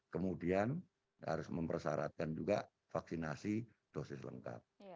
kemudian harus mempersyaratkan juga vaksinasi dosis lengkap